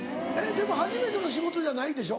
でも初めての仕事じゃないでしょ？